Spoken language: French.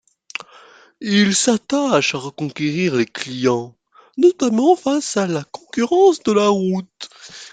Il s'attache à reconquérir les clients, notamment face à la concurrence de la route.